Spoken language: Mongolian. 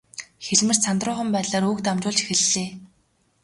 Хэлмэрч сандруухан байдлаар үг дамжуулж эхэллээ.